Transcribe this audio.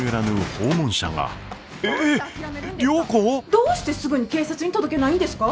どうしてすぐに警察に届けないんですか？